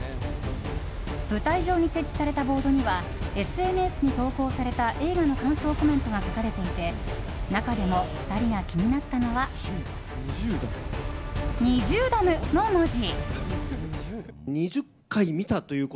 舞台上に設置されたボードにはＳＮＳに投稿された映画の感想コメントが書かれていて中でも２人が気になったのは「２０ダム」の文字。